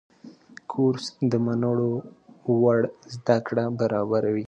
کورس د منلو وړ زده کړه برابروي.